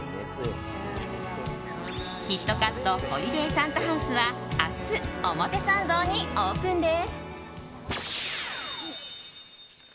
キットカットホリデイサンタハウスは明日、表参道にオープンです。